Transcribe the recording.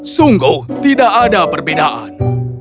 sungguh tidak ada perbedaan